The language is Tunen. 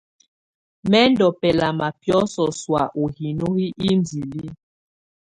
Mɛ ndù bɛlama biɔ̀sɔ sɔ̀á u hino hi indili.